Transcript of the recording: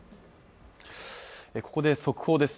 ここで速報です。